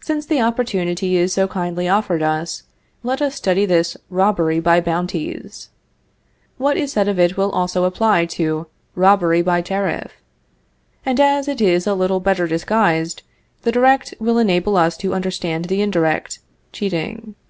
Since the opportunity is so kindly offered us, let us study this robbery by bounties. What is said of it will also apply to robbery by tariff, and as it is a little better disguised, the direct will enable us to understand the indirect, cheating.